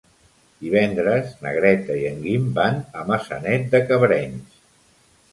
Divendres na Greta i en Guim van a Maçanet de Cabrenys.